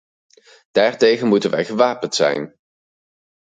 Daartegen moeten wij gewapend zijn.